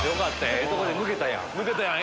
ええとこで抜けたやん。